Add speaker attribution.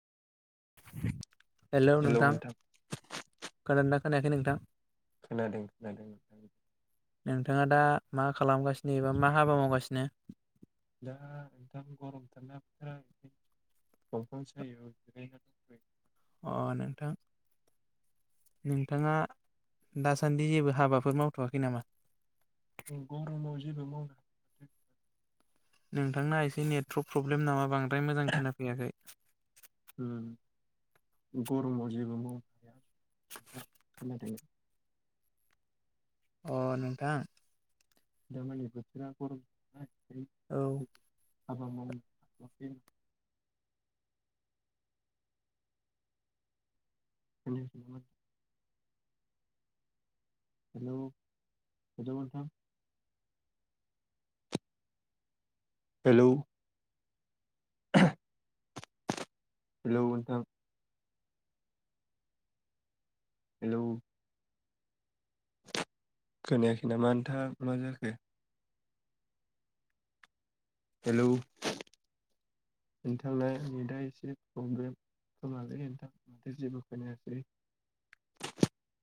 Speaker 1: Hello नोंथां खोनादोंना खोनायाखै नोंथां।
Speaker 2: खोनादों खोनादों।
Speaker 1: नोंथाङा दा मा खालामगासिनो एबा मा हाबा मावगासिनो।
Speaker 2: दा दाम गरमथारना बोथोरा। दंफां सायायाव।
Speaker 1: अ नोंथां नोंथाङा दासान्दि जेबो हाबाफोर मावथ'आखै नामा
Speaker 2: गरमाव जेबो मावनो
Speaker 1: नोंथांना एसे नेटवर्क प्रब्लेम नामा बांद्राय मोजां खोनाफैयाखै
Speaker 2: ओम गरमाव जेबो मावनो हाया खोनादों
Speaker 1: अ नोंथां
Speaker 2: दामानि बोथोरा गरम [unintelligible]
Speaker 1: औ
Speaker 2: हाबा मावनो [unintelligible] हेलौ हेलौ नोंथां हेलौ हेलौ नोंथां हेलौ खोनायाखैनामा नोंथा मा जाखो हेलौ नोंथांना नेटआ एसे प्रब्लेम खोमालै नोंथां माथो जेबो खोनायाखै